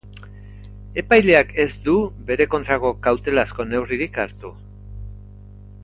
Epaileak ez du bere kontrako kautelazko neurririk hartu.